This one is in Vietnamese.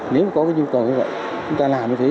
nếu có nhu cầu như vậy chúng ta làm như thế